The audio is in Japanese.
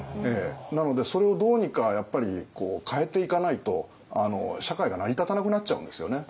なのでそれをどうにかやっぱり変えていかないと社会が成り立たなくなっちゃうんですよね。